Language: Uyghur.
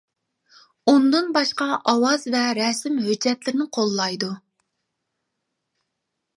ئۇندىن باشقا ئاۋاز ۋە رەسىم ھۆججەتلىرىنى قوللايدۇ.